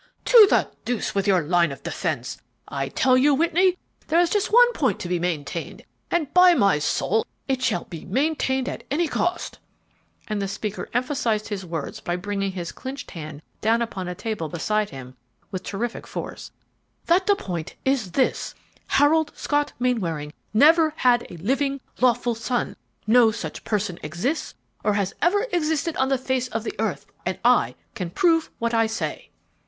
"To the deuce with your line of defence! I tell you, Whitney, there is just one point to be maintained, and, by my soul, it shall be maintained at any cost!" and the speaker emphasized his words by bringing his clinched hand down upon a table beside him with terrific force "that point is this: Harold Scott Mainwaring never had a living, lawful son; no such person exists, or ever has existed on the face of the earth, and I can prove what I say."